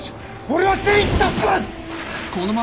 俺は全員助けます！